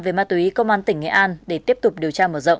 về ma túy công an tỉnh nghệ an để tiếp tục điều tra mở rộng